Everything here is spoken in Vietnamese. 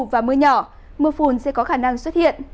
và mưa nhỏ mưa phùn sẽ có khả năng xuất hiện